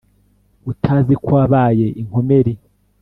Utazi ko wabaye inkomeri,